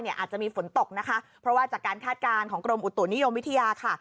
อาจจะมีฝนตกนะคะเพราะว่าจากการคาดการณ์ของกรมอุตุนิยมวิทยาค่ะ